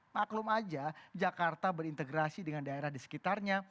maklum aja jakarta berintegrasi dengan daerah di sekitarnya